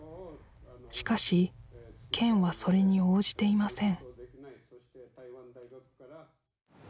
しかし県はそれに応じていません